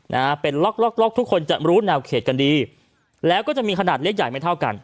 นะฮะเป็นล็อกล็อกล็อกทุกคนจะรู้แนวเขตกันดีแล้วก็จะมีขนาดเล็กใหญ่ไม่เท่ากัน